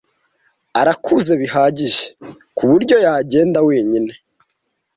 Arakuze bihagije kuburyo yagenda wenyine.